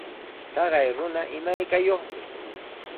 Taqay runa imaykayuqmi.